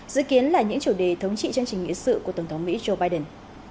dự kiến là những chủ đề thống trị chương trình nghị sự của tổng thống mỹ joe biden